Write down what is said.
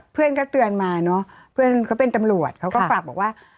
เพื่อนก็เตือนมาเนอะเพื่อนเขาเป็นตำรวจเขาก็ฝากบอกว่า